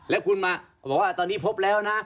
แล้วคุณมาบอกว่าตอนนี้พบแล้วนะ